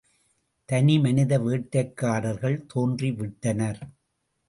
தனிமனித வேட்டைக்காரர்கள் தோன்றி விட்டனர்.